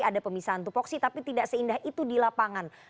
ada pemisahan tupoksi tapi tidak seindah itu di lapangan